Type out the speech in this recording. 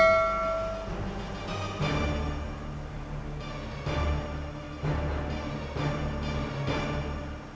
saya berada di meninggi ini